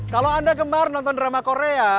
kalau anda gemar nonton drama korea